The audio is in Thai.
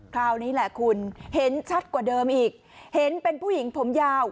คราวนี้แหละคุณเห็นชัดกว่าเดิมอีกเห็นเป็นผู้หญิงผมยาว